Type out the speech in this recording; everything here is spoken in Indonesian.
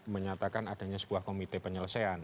menyatakan adanya sebuah komite penyelesaian